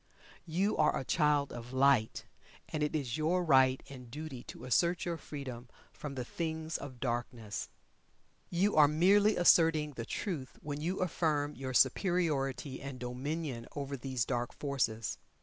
You are a Child of Light, and it is your right and duty to assert your freedom from the things of darkness. You are merely asserting the Truth when you affirm your superiority and dominion over these dark forces.